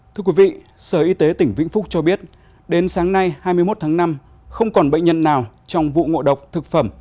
thưa quý vị sở y tế tỉnh vĩnh phúc cho biết đến sáng nay hai mươi một tháng năm không còn bệnh nhân nào trong vụ ngộ độc thực phẩm